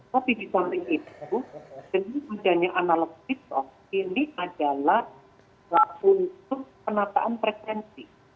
tapi di konteks itu jadi hujannya analog ini adalah untuk penataan frekuensi